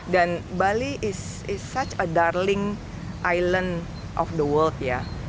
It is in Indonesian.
dan bali adalah sebuah pulau yang sangat menarik di dunia